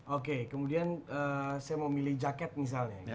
oke kemudian saya mau milih jaket misalnya